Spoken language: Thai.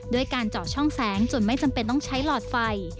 ด้วยการเจาะช่องแสงจนไม่จำเป็นต้องใช้หลอดไฟ